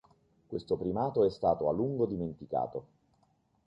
Questo primato è stato a lungo dimenticato.